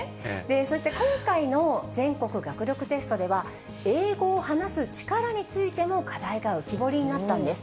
そして、今回の全国学力テストでは、英語を話す力についての課題が浮き彫りになったんです。